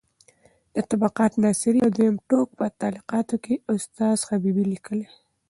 د طبقات ناصري د دویم ټوک په تعلیقاتو کې استاد حبیبي لیکي: